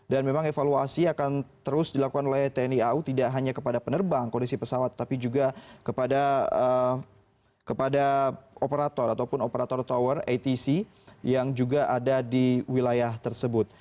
dan memang evaluasi akan terus dilakukan oleh tni au tidak hanya kepada penerbang kondisi pesawat tapi juga kepada operator atau operator tower atc yang juga ada di wilayah tersebut